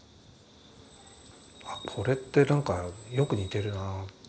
あっこれってなんかよく似てるな。